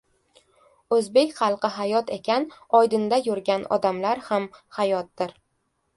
O‘zbek xalqi hayot ekan, “Oydinda yurgan odamlar” ham hayotdir”.